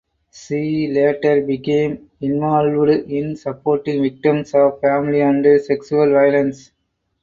She later became involved in supporting victims of family and sexual violence.